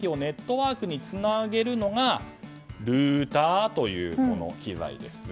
この電話交換機をネットワークにつなげるのがルーターという機材です。